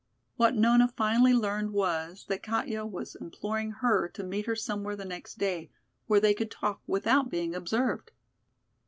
What Nona finally learned was, that Katja was imploring her to meet her somewhere the next day, where they could talk without being observed.